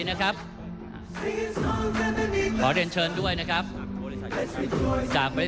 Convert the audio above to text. ท่านแรกครับจันทรุ่ม